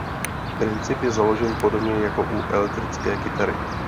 Princip je založen podobně jako u elektrické kytary.